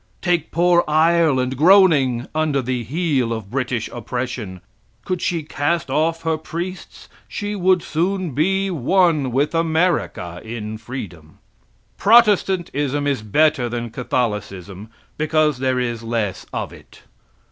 Take poor Ireland, groaning under the heel of British oppression; could she cast off her priests she would soon be one with America in freedom. Protestantism is better than Catholicism, because there is less of it.